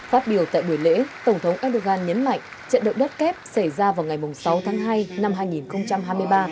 phát biểu tại buổi lễ tổng thống erdogan nhấn mạnh trận động đất kép xảy ra vào ngày sáu tháng hai năm hai nghìn hai mươi ba